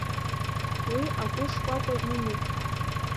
Уи агәы шкәакәа имоуп.